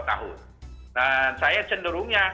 tahun dan saya cenderungnya